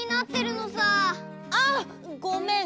あっごめん。